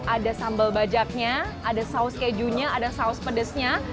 ada sambal bajaknya ada saus kejunya ada saus pedasnya